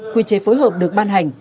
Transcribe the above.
quy chế phối hợp được ban hành